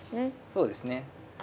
そうですね。